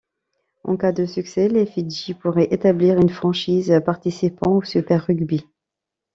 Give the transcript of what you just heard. En cas de succès, les Fidji pourraient établir une franchise participant au Super Rugby.